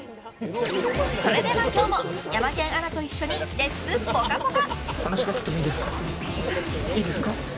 それでは今日もヤマケンアナと一緒にレッツぽかぽか。